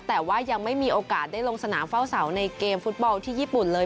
แต่ว่ายังไม่มีโอกาสได้ลงสนามเฝ้าเสาในเกมฟุตบอลที่ญี่ปุ่นเลย